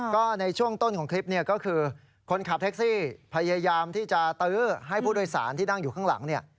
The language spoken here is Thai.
ก็ในช่วงต้นของคลิปเนี่ยก็คือคนขับแท็กซี่พยายามที่จะตื้อให้ผู้โดยสารที่นั่งอยู่ข้างหลังเนี่ย